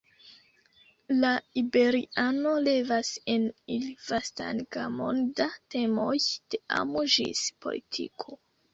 La iberiano levas en ili vastan gamon da temoj, de amo ĝis politiko.